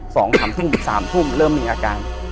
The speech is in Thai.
สองสามทุ่มถึงสามทุ่มเริ่มมีอาการ